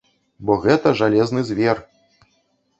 Бо гэта жалезны звер!